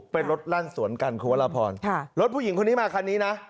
เป็นรถลั่นสวนกันคุณวรพรรถผู้หญิงคนนี้มาคันนี้นะ